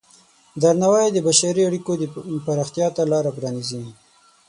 درناوی د بشري اړیکو پراختیا ته لاره پرانیزي.